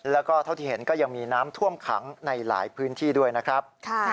แล้วก็เท่าที่เห็นก็ยังมีน้ำท่วมขังในหลายพื้นที่ด้วยนะครับ